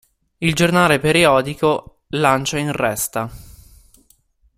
Il giornale periodico "Lancia in Resta".